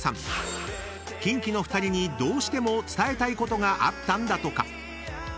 ［キンキの２人にどうしても伝えたいことがあったんだとか］